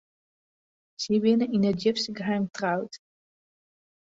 Sy binne yn it djipste geheim troud.